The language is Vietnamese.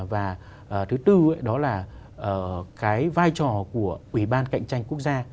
và thứ tư đó là cái vai trò của ủy ban cạnh tranh quốc gia